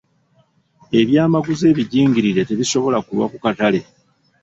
Ebyamaguzi ebijingirire tebisobola kulwa ku katale.